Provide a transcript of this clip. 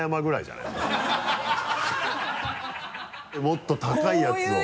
もっと高いやつを。